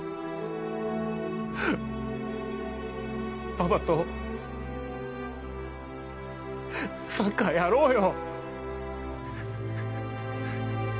パパとサッカーやろうよ。